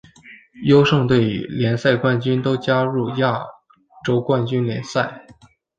优胜队与联赛冠军都加入亚洲冠军联赛。